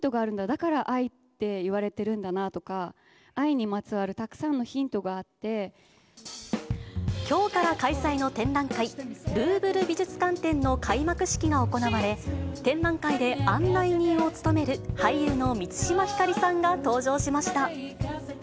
だから、愛って言われてるんだなとか、愛にまつわるたくさんのヒントがきょうから開催の展覧会、ルーヴル美術館展の開幕式が行われ、展覧会で案内人を務める、俳優の満島ひかりさんが登場しました。